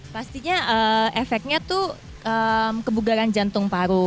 pastinya efeknya tuh kebugaran jantung paru